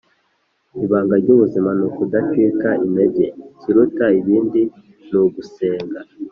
Ibanga ryubuzima nukudacika intege ikiruta ibindi nugusenga